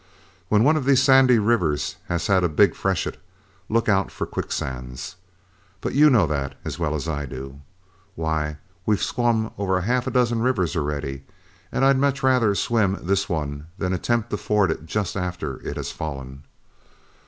When one of these sandy rivers has had a big freshet, look out for quicksands; but you know that as well as I do. Why, we've swum over half a dozen rivers already, and I'd much rather swim this one than attempt to ford it just after it has fallen.